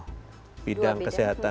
dua bidang minimal bidang kesehatan